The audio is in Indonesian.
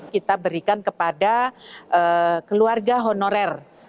kita berikan kepada keluarga honorer